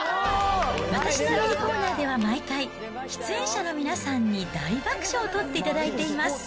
私のミニコーナーでは毎回、出演者の皆さんに大爆笑を取っていただいています。